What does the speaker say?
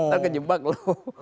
tak kejebak loh